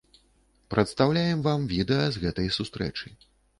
Прадстаўляем вам відэа з гэтай сустрэчы.